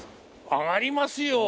上がりますよ！